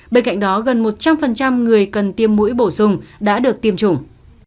bên cạnh đó gần một trăm linh người cần tiêm mũi bổ sung đã được tiêm chủng